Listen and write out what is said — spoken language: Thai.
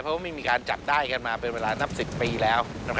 เพราะไม่มีการจับได้กันมาเป็นเวลานับ๑๐ปีแล้ว